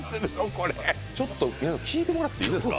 これちょっと皆さん聞いてもらっていいですか？